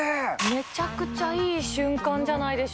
めちゃくちゃいい瞬間じゃな